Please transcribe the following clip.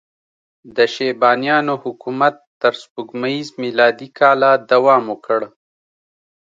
د شیبانیانو حکومت تر سپوږمیز میلادي کاله دوام وکړ.